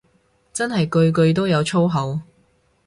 真係句句都有粗口